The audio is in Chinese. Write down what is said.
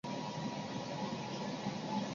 乾隆十四年上任台湾澎湖通判。